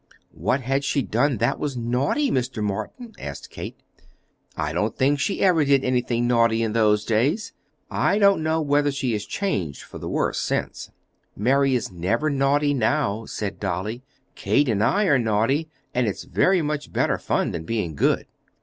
"What had she done that was naughty, Mr. Morton?" asked Kate. "I don't think she ever did anything naughty in those days. I don't know whether she has changed for the worse since." "Mary is never naughty now," said Dolly. "Kate and I are naughty, and it's very much better fun than being good."